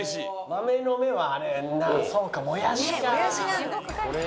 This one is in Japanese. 「豆の芽」はあれそうかもやしか！